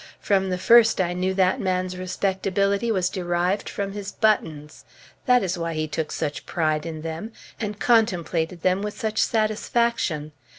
From the first, I knew that man's respectability was derived from his buttons. That is why he took such pride in them, and contemplated them with such satisfaction.